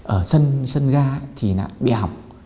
ở sân ga thì bị ảo